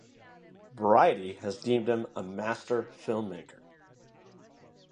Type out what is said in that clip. "Variety" has deemed him "a master filmmaker.